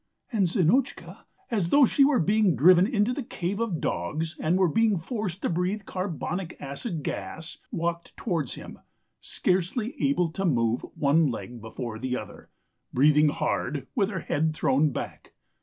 And Zinotchka, as though she were being driven into the Cave of Dogs, and were being forced to breathe carbonic acid gas, walked towards him, scarcely able to move one leg before the other, breathing hard, with her head thrown back.